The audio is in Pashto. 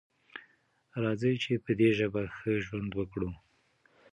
راځئ چې په دې ژبه ښه ژوند وکړو.